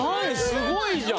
すごいじゃん！